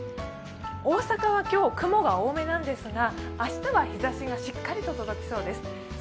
大阪は今日雲が多めなんですが明日は日ざしがしっかりと届きそうです。